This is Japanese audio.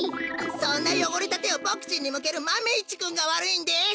そんなよごれたてをボクちんにむけるマメ１くんがわるいんです！